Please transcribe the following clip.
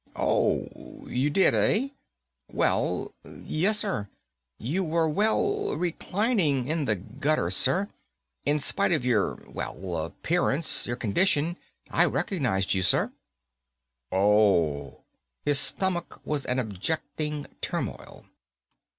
"Oh, you did, eh?" "Well, yes, sir. You were, well, reclining in the gutter, sir. In spite of your, well, appearance, your condition, I recognized you, sir." "Oh." His stomach was an objecting turmoil.